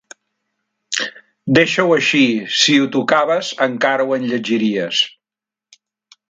Deixa-ho així: si ho tocaves, encara ho enlletgiries.